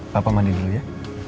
papa mandi dulu ya